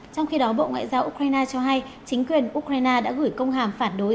trong khi đó bộ ngoại giao ukraine cho hay chính quyền ukraine đã gửi công hàm phản đối